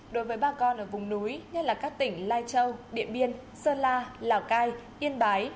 đối với bà con ở vùng núi như các tỉnh lai châu điện biên sơn la lào cai yên bái